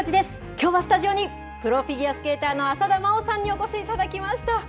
きょうはスタジオに、プロフィギュアスケーターの浅田真央さんにお越しいただきました。